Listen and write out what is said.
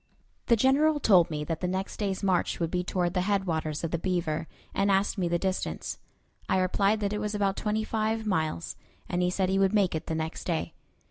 The General told me that the next day's march would be toward the headwaters of the Beaver, and asked me the distance. I replied that it was about twenty five miles, and he said he would make it the next day.